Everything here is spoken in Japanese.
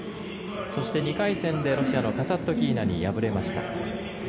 そして、２回戦でロシアのカサットキーナに敗れました。